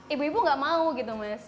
ibu ibu nggak mau gitu mas